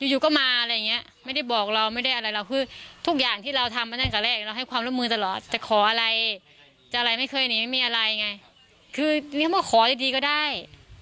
อยู่ก็มาอะไรอย่างเงี้ยไม่ได้บอกเราไม่ได้อะไรเราคือทุกอย่างที่เราทำมาตั้งแต่แรกเราให้ความร่วมมือตลอดจะขออะไรจะอะไรไม่เคยหนีไม่มีอะไรไงคือมีคำว่าขอดีก็ได้